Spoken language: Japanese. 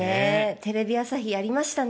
テレビ朝日、やりましたね。